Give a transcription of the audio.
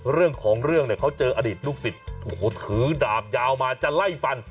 เรื่องของเรื่องเขาเจออดีตลูกสิทธิ์ถือดาบยาวมาจะไล่ฟัน